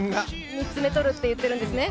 ３つ目取るって言ってるんですね。